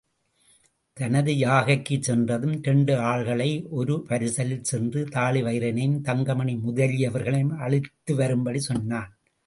தனது ஜாகைக்குச் சென்றதும் இரண்டு ஆள்களை ஒரு பரிசலில் சென்று தாழிவயிறனையும் தங்கமணி முதலியவர்களையும் அழைத்து வரும்படி சொன்னான்.